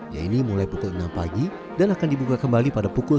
yang ini mulai pukul enam pagi dan akan dibuka kembali pada pukul sepuluh